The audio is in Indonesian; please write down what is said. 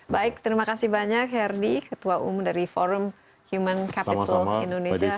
baik terima kasih banyak herdy ketua umum dari forum human capital indonesia